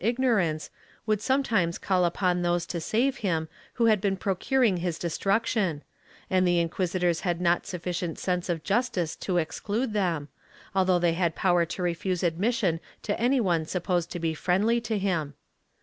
I] COMPUBQATION 117 ignorance, would sometimes call upon those to save him who had been procuring his destruction, and the inquisitors had not suffi cient sense of justice to exclude them, although they had power to refuse admission to any one supposed to be friendly to him.